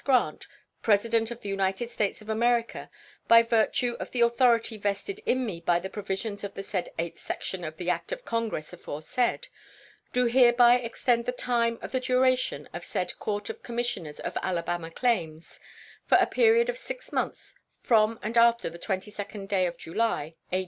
Grant, President of the United States of America, by virtue of the authority vested in me by the provisions of the said eighth section of the act of Congress aforesaid, do hereby extend the time of the duration of said "Court of Commissioners of Alabama Claims" for a period of six months from and after the 22d day of July, A.